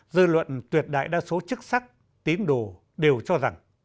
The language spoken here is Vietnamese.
dư luận tuyệt đại đa số chức sách tiến đổ đều cho rằng